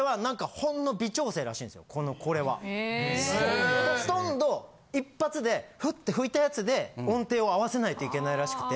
ほとんど一発でフッて吹いたやつで音程を合わせないといけないらしくて。